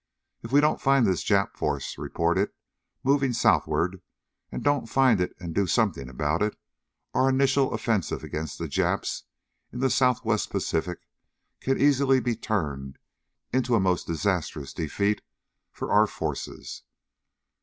If we don't find this Jap force reported moving southward; don't find it and do something about it, our initial offensive against the Japs in the Southwest Pacific can easily be turned into a most disastrous defeat for our forces.